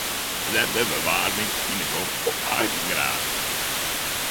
Set de ferwaarming yn 'e gong op achttjin graden.